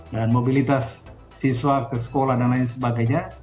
dan mobilitas siswa ke sekolah dan lain sebagainya